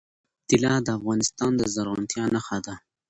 طلا د افغانستان د زرغونتیا نښه ده.